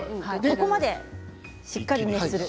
ここまでしっかり熱する。